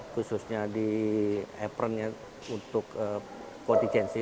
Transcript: khususnya di apronnya untuk kontigensi